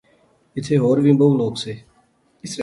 ایتھیں ہور وی بہوں لوک سے